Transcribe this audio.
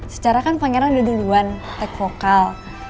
secara kan pangeran udah duluan take vokal